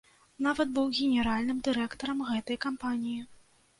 Нават быў генеральным дырэктарам гэтай кампаніі.